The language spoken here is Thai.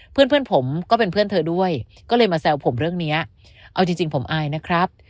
เพื่อนเพื่อนผมก็เป็นเพื่อนเธอด้วยก็เลยมาแซวผมเรื่องเนี้ยเอาจริงจริงผมอายนะครับ